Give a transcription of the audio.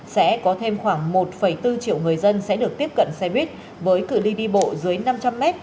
sẽ có thêm khoảng một bốn triệu người dân sẽ được tiếp cận xe buýt với cự li đi bộ dưới năm trăm linh m